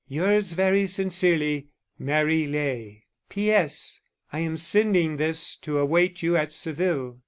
Yours very sincerely,_ MARY LEY. P.S. _I am sending this to await you at Seville.